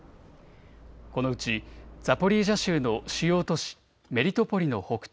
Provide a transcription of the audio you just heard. このうちザポリージャ州の主要都市、メリトポリの北東